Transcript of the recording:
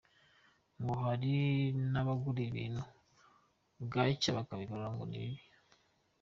Ngo hari n’abagura ibintu bwacya bakabigarura ngo ni bibi.